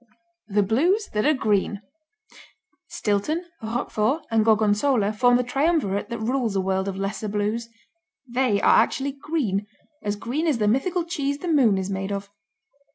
The Blues that Are Green Stilton, Roquefort and Gorgonzola form the triumvirate that rules a world of lesser Blues. They are actually green, as green as the mythical cheese the moon is made of.